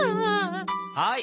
はい。